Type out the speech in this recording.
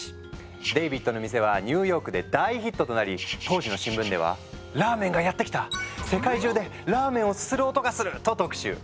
デイビッドの店はニューヨークで大ヒットとなり当時の新聞では「ラーメンがやって来た！世界中でラーメンをすする音がする」と特集。